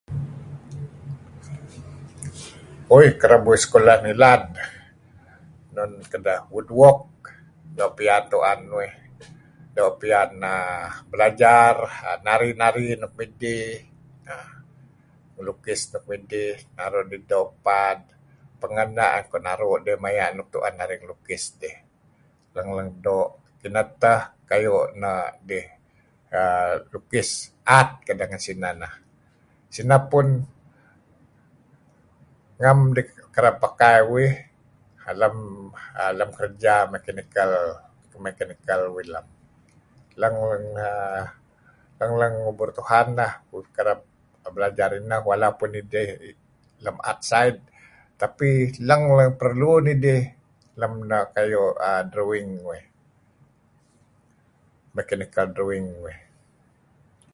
Ooi kereb uih sekola' nglad enun kedeh, woodwork doo' pian tuen uih oo' pian belajar nari-nari nuk midih lukis nuk midih maru' doo' paad pangeh ineh naru' nuk tuen narih ngelukis. Lang-lang doo'. Kineh tah doo' lukis art kedeh ngen sineh. Neh nah. Dineh pun ngem kereb pakai uih alm kerja makenik., mekenikal uih lam. Lamg-lang, lang lang ngubur Tuhan leh uih kereb belajar inah tuuh peh uih lm art side. Tapi lang-lang perlu teh idih lam ten drawing uih. Makenikal drawing uih.